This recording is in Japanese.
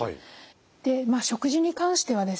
で食事に関してはですね